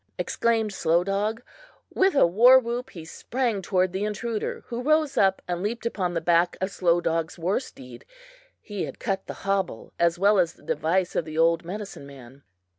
exclaimed Slow Dog. With a warwhoop he sprang toward the intruder, who rose up and leaped upon the back of Slow Dog's warsteed. He had cut the hobble, as well as the device of the old medicine man.